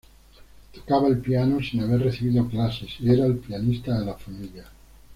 Tocaba el piano sin haber recibido clases y era el pianista de la familia.